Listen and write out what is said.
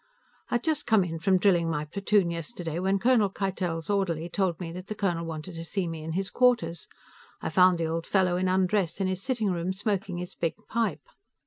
I had just come in from drilling my platoon, yesterday, when Colonel Keitel's orderly told me that the colonel wanted to see me in his quarters. I found the old fellow in undress in his sitting room, smoking his big pipe.